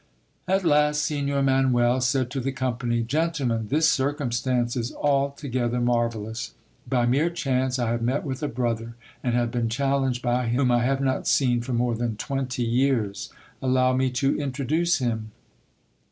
At last Signor Manuel said to the company — Gentle men, this circumstance is altogether marvellous. By mere chance, I have met with a brother and have been challenged by him, whom I have not seen for more than twenty years : allow me to introduce him.